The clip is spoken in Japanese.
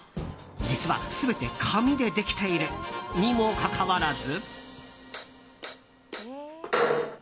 実は全て紙でできているにもかかわらず。